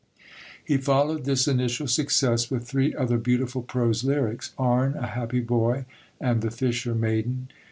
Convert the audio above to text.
He followed this initial success with three other beautiful prose lyrics Arne, A Happy Boy, and The Fisher Maiden.